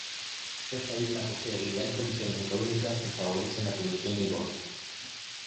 Esta isla posee ideales condiciones ecológicas que favorecen la producción del vodka.